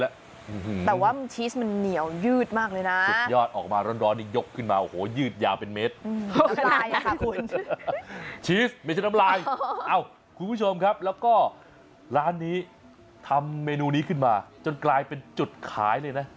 แต่ว่าชีสมันเหนียวยืดมากเลยนะสุดยอดออกมาร้อนยกขึ้นมาโอ้โหยืดอย่างเป็นเม็ด